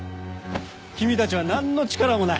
君たちは何の力もない。